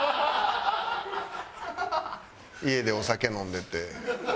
家でお酒飲んでて。